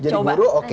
jadi guru oke